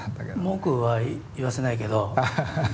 文句は言わせないけど。